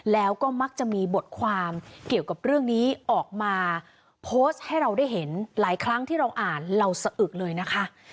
แล้วก็มักจะมีบทความเกี่ยวกับเรื่องนี้ออกมาโพสต์ให้เราได้เห็นหลายครั้งที่เราอ่านเราสะอึกเลยนะคะ